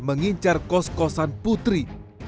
mengincar kos kosan putri